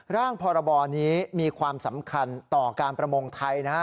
พรบนี้มีความสำคัญต่อการประมงไทยนะฮะ